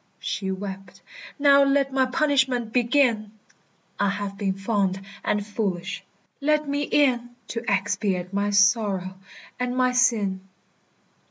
She wept, "Now let my punishment begin! I have been fond and foolish. Let me in To expiate my sorrow and my sin."